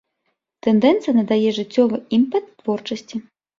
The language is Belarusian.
Тэндэнцыя надае жыццёвы імпэт творчасці.